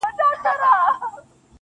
• زه مي له ژونده په اووه قرآنه کرکه لرم.